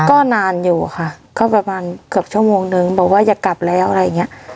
ก็นานอยู่ค่ะก็ประมาณเกือบชั่วโมงนึงบอกว่าอย่ากลับแล้วอะไรอย่างเงี้ย